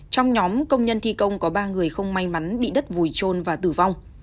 trong nhóm công nhân thi công có ba người không may mắn bị đất vùi trôn và tử vong